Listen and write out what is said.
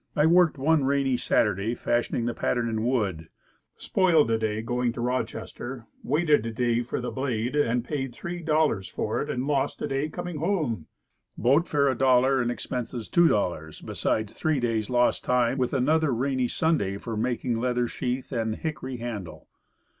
I worked one rainy Sunday fashioning the pattern in wood. Spoiled a day going to Rochester, waited a day for the blade, HATCHET AND KNIVES. paid $3.00 for it, and lost a day coming home. Boat fare $1.00, and expenses $2.00, besides three days lost time, with another rainy Sunday for making leather sheath and hickory handle.